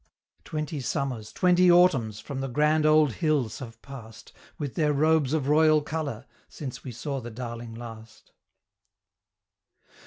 Twenty summers, twenty autumns, from the grand old hills have passed, With their robes of royal colour, since we saw the darling last.